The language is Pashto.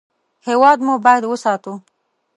هېواد مو باید وساتو